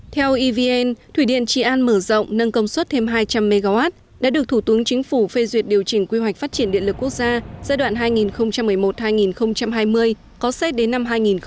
theo evn thủy điện trị an mở rộng nâng công suất thêm hai trăm linh mw đã được thủ tướng chính phủ phê duyệt điều chỉnh quy hoạch phát triển điện lực quốc gia giai đoạn hai nghìn một mươi một hai nghìn hai mươi có xét đến năm hai nghìn ba mươi